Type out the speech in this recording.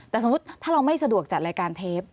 แต่สมมุติถ้าเราไม่สะดวกจัดรายการเทป